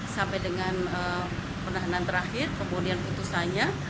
sampai dengan penahanan terakhir kemudian putusannya